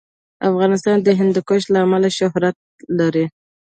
افغانستان د هندوکش له امله شهرت لري.